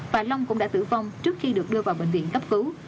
và long cũng đã tử vong trước khi được đưa vào bệnh viện cấp cứu